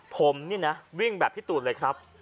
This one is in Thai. ผมนี่นะวิ่งแบบพี่ตูนเลยครับ